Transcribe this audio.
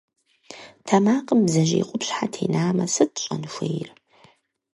Тэмакъым бдзэжьей къупщхьэ тенамэ, сыт щӏэн хуейр?